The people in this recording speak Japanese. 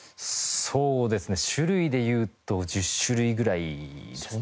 そうですね種類でいうと１０種類ぐらいですね。